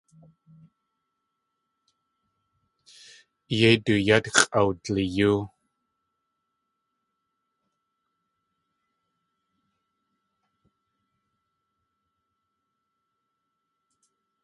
Yéi du yát x̲ʼawdliyóo.